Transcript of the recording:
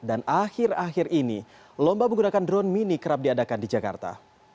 dan akhir akhir ini lomba menggunakan drone mini kerap diadakan di jakarta